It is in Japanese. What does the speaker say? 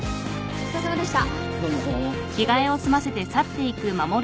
お疲れさまでした。